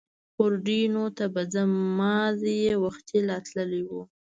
پورډېنون ته به ځم، مازې یې وختي لا تللي و.